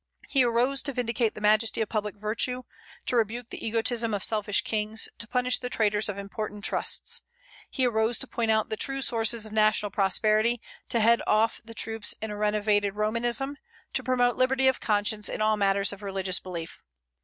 He arose to vindicate the majesty of public virtue, to rebuke the egotism of selfish kings, to punish the traitors of important trusts. He arose to point out the true sources of national prosperity, to head off the troops of a renovated Romanism, to promote liberty of conscience in all matters of religious belief.